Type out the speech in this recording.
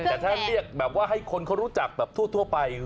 กันส่าห์เลียกให้คนเขารู้จักโทษหัวไป